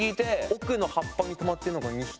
奥の葉っぱにとまってるのが２匹。